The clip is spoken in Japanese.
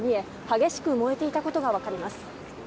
激しく燃えていたことが分かります。